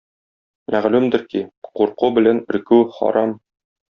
Мәгълүмдер ки, курку берлән өркү харам.